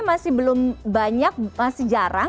jadi yang pertama apa yang terakhir apa yang terakhir